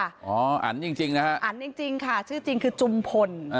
อันยังจริงข้าอันยังจริงชื่อจริงคือจุมฝณ